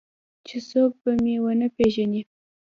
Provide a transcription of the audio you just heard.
چې څوک به مې ونه پېژني.